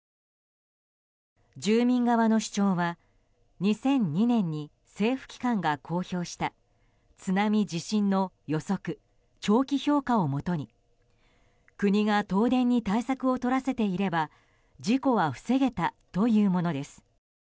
住民側の主張は２００２年に政府機関が公表した津波地震の予測長期評価をもとに国が東電に対策をとらせていれば事故は防げたというものです。